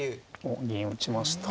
銀を打ちました。